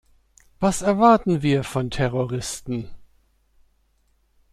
Was erwarten wir von Terroristen?